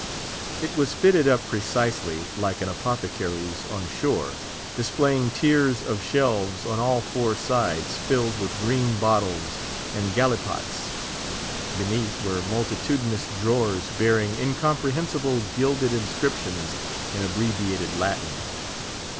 It was fitted up precisely like an apothecary's on shore, displaying tiers of shelves on all four sides filled with green bottles and gallipots; beneath were multitudinous drawers bearing incomprehensible gilded inscriptions in abbreviated Latin.